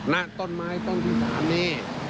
และต้นไม้ต้นที่๓นี้